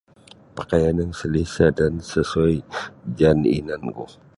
Pakaian yang selesa dan sesuai jaan inan ku.